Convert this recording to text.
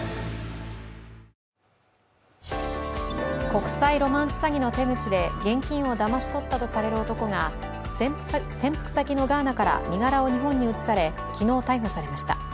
国際ロマンス詐欺の手口で現金をだまし取ったとされる男が潜伏先のガーナから身柄を日本に移され昨日逮捕されました。